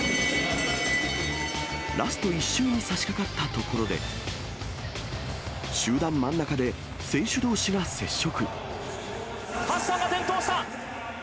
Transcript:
ラスト１周にさしかかった所で、集団真ん中で選手どうしが接触。